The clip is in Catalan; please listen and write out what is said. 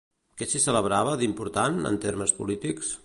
Què s'hi celebrava d'important, en termes polítics?